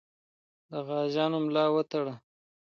د غازیانو ملا وتړه.